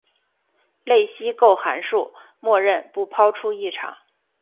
类析构函数默认不抛出异常。